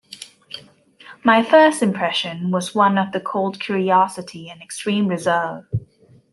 My first impression was one of cold curiosity and extreme reserve.